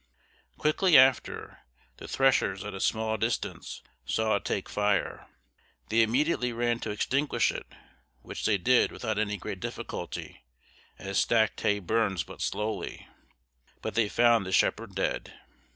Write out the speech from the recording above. Quickly after, the thrashers at a small distance saw it take fire! They immediately ran to extinguish it, which they did without any great difficulty, as stacked hay burns but slowly; but they found the shepherd dead!